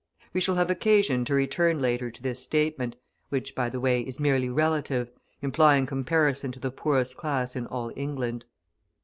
We shall have occasion to return later to this statement, which, by the way, is merely relative, implying comparison to the poorest class in all England.